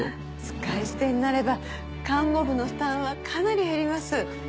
使い捨てになれば看護部の負担はかなり減ります。